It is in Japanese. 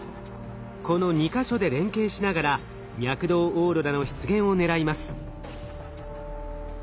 この２か所で連携しながら脈動オーロラの出現を狙います。